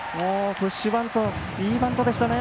プッシュバントいいバントでしたね。